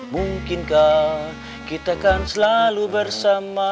mungkinkah kita kan selalu bersama